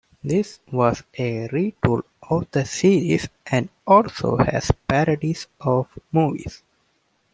This was a retool of the series and also has parody's of movies.